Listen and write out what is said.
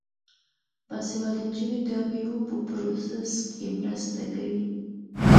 باسواده نجونې د میوو په پروسس کې مرسته کوي.